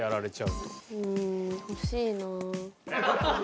うーん惜しいな。